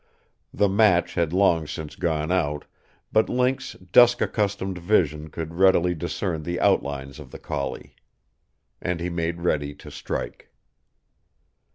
The match had long since gone out, but Link's dusk accustomed vision could readily discern the outlines of the collie. And he made ready to strike.